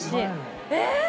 えっ！？